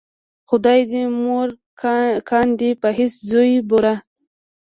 خدای دې مور کاندې په هسې زویو بوره